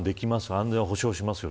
安全は保障します。